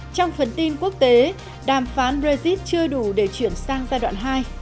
trong phần tin quốc tế đàm phán brexit chưa đủ để chuyển sang giai đoạn hai